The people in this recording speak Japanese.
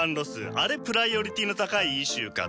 あれプライオリティーの高いイシューかと。